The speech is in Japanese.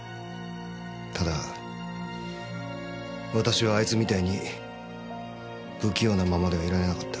ただ私はあいつみたいに不器用なままではいられなかった。